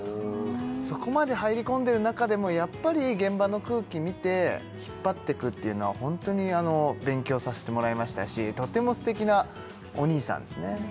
そこまで入り込んでる中でもやっぱり現場の空気見て引っ張ってくっていうのはホントに勉強させてもらいましたしとても素敵なお兄さんですね